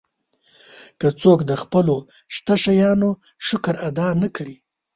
که څوک د خپلو شته شیانو شکر ادا نه کړي.